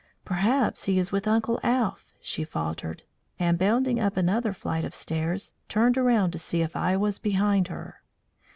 "Perhaps he is with Uncle Alph," she faltered, and, bounding up another flight of stairs, turned around to see if I was behind her.